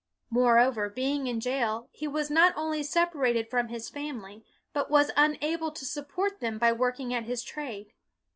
Moreover, being in jail, he was not only separated from his family, but was unable to support them by working at his trade.